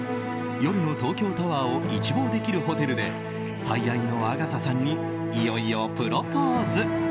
夜の東京タワーを一望できるホテルで最愛のＡｇａｔｈａさんにいよいよプロポーズ。